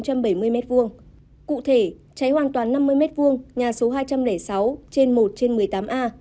cụ thể cháy hoàn toàn năm mươi m hai nhà số hai trăm linh sáu trên một trên một mươi tám a